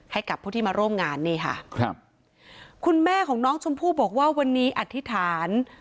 ให้กับผู้ที่มาร่วมงานนี่ค่ะครับคุณแม่ของน้องชมพู่บอกว่าวันนี้อธิษฐาน